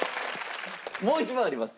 もう一問あります。